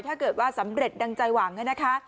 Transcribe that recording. ถ้าเกิดว่าสำเร็จดังใจหวังนะคะ